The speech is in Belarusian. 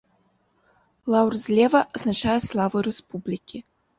Лаўр злева азначае славу рэспублікі.